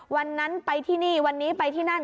วันนั้นไปที่นี่วันนี้ไปที่นั่น